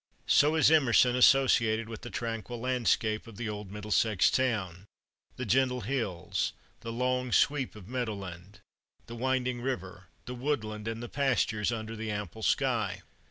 So is Emerson associated with the tranquil landscape of the old Middlesex town the gentle hills, the long sweep of meadowland, the winding river, the woodland, and the pastures under the ample sky.